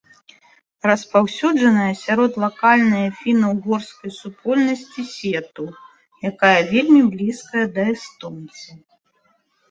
Распаўсюджаная сярод лакальнае фіна-ўгорскай супольнасці сету, якая вельмі блізкая да эстонцаў.